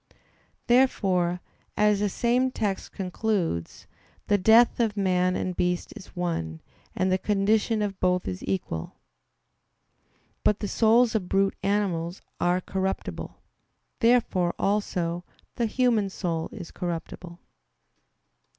Therefore, as the same text concludes, "the death of man and beast is one, and the condition of both is equal." But the souls of brute animals are corruptible. Therefore, also, the human soul is corruptible.